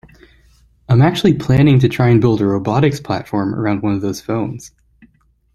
I'm actually planning to try and build a robotics platform around one of those phones.